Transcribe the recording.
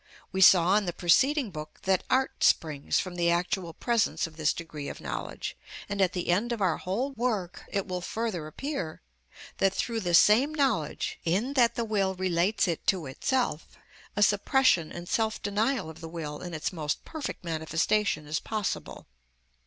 We saw in the preceding book that art springs from the actual presence of this degree of knowledge; and at the end of our whole work it will further appear that, through the same knowledge, in that the will relates it to itself, a suppression and self denial of the will in its most perfect manifestation is possible.